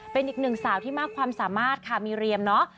เป็นอีกหนึ่งสาวที่มากความสามารถค่ะมีเรียมเนอะ